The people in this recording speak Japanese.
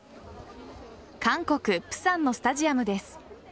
韓国・釜山のスタジアムです。